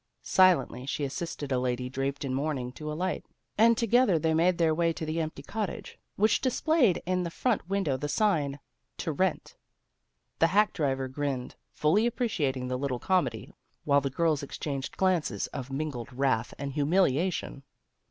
Silently she assisted a lady draped in mourning to alight, and together they made their way to the empty cottage, which displayed in the front window the sign, " To Rent." The hack driver grinned, fully appreciating the little comedy, while the girls exchanged glances of mingled wrath and humil iation.